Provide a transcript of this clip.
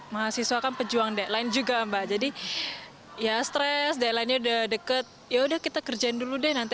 falan makan pejuang demo juga mbak jadi ya stres dl ya udah deket ya udah kita kerjain dulu deh nanti